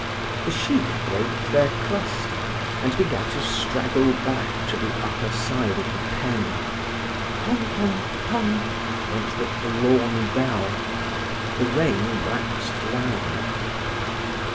The sheep broke their cluster, and began to straggle back to the upper side of the pen. "Tong tong, tong," went the forlorn bell. The rain waxed louder.